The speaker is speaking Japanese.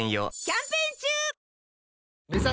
キャンペーン中！